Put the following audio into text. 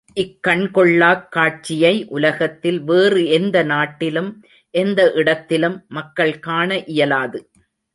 இக்கண் கொள்ளாக் காட்சியை உலகத்தில் வேறு எந்த நாட்டிலும், எந்த இடத்திலும் மக்கள் காண இயலாது.